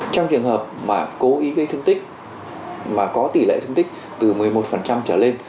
trong trường hợp mà cố ý gây thương tích mà có tỷ lệ thương tích từ một mươi một trở lên